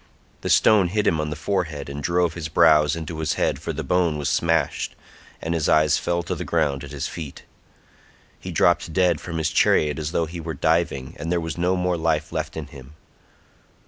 The stone hit him on the forehead and drove his brows into his head for the bone was smashed, and his eyes fell to the ground at his feet. He dropped dead from his chariot as though he were diving, and there was no more life left in him.